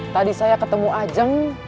tadi saya ketemu ajeng